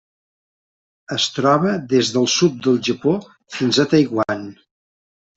Es troba des del sud del Japó fins a Taiwan.